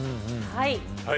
はい。